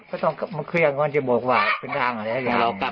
มันเครียญเพราะว่าเป็นทางอะไรแหละ